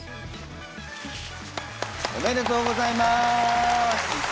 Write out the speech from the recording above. おめでとうございます！